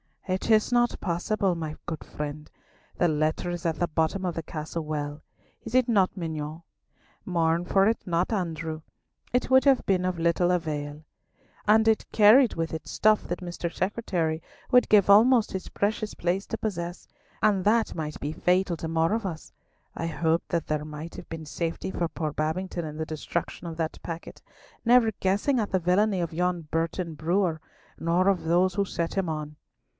"It is not possible, my good friend. The letter is at the bottom of the Castle well; is it not, mignonne? Mourn for it not, Andrew. It would have been of little avail, and it carried with it stuff that Mr. Secretary would give almost his precious place to possess, and that might be fatal to more of us. I hoped that there might have been safety for poor Babington in the destruction of that packet, never guessing at the villainy of yon Burton brewer, nor of those who set him on.